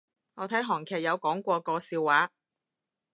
我睇韓劇有講過個笑話